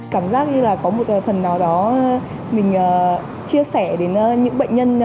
cảm giác như là có một phần nào đó mình chia sẻ đến những bệnh nhân